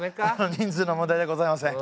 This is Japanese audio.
人数の問題ではございません。